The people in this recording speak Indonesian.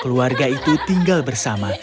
keluarga itu tinggal bersama